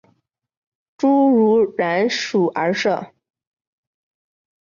侏儒蚺属而设。